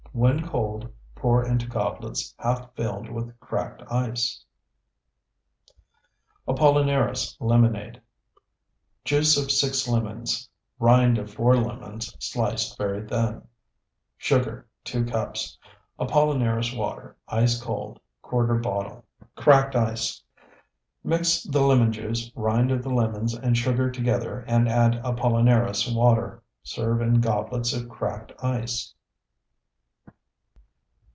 When cold, pour into goblets half filled with cracked ice. APOLLINARIS LEMONADE Juice of 6 lemons. Rind of 4 lemons, sliced very thin. Sugar, 2 cups. Apollinaris water, ice cold, ¼ bottle. Cracked ice. Mix the lemon juice, rind of the lemons, and sugar together and add Apollinaris water. Serve in goblets of cracked ice.